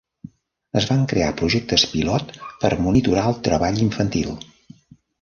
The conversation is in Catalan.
Es van crear projectes pilot per monitorar el treball infantil.